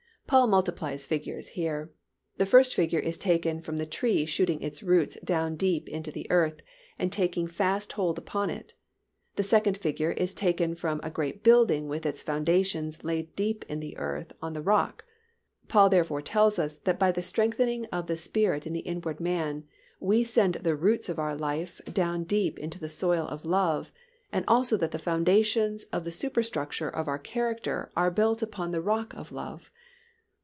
Paul multiplies figures here. The first figure is taken from the tree shooting its roots down deep into the earth and taking fast hold upon it. The second figure is taken from a great building with its foundations laid deep in the earth on the rock. Paul therefore tells us that by the strengthening of the Spirit in the inward man we send the roots of our life down deep into the soil of love and also that the foundations of the superstructure of our character are built upon the rock of love.